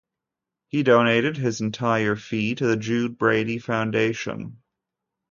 He donated his entire fee to the Jude Brady Foundation.